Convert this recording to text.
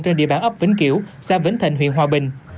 trên địa bản ấp vĩnh kiểu xa vĩnh thịnh huyện hòa bình